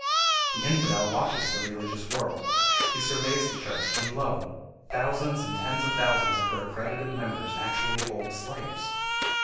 The infidel watches the religious world. He surveys the church, and, lo! thousands and tens of thousands of her accredited members actually hold slaves.